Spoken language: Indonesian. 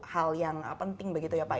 hal yang penting begitu ya pak